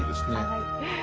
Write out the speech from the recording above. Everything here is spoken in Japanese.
はい。